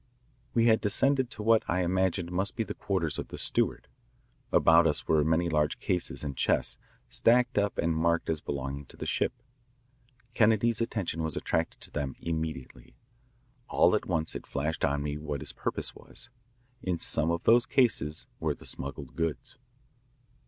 We had descended to what I imagined must be the quarters of the steward. About us were many large cases and chests, stacked up and marked as belonging to the ship. Kennedy's attention was attracted to them immediately. All at once it flashed on me what his purpose was. In some of those cases were the smuggled goods!